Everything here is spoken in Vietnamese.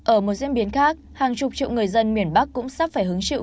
ở một diễn biến khác hàng chục triệu người dân miền bắc cũng sắp phải hứng chịu